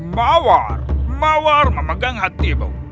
mawar mawar memegang hatimu